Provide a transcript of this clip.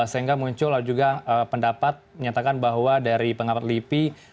sehingga muncul juga pendapat menyatakan bahwa dari pengamat lipi